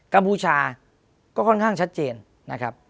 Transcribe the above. ัมพูชาก็ค่อนข้างชัดเจนนะครับ